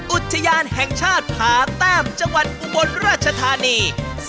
อุทยานแห่งชาติผาแต้มจังหวัดอุบลราชธานี